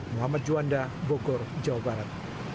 muhammad juanda bogor jawa barat